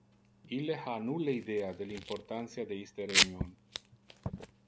Ille ha nulle idea del importantia de iste reunion.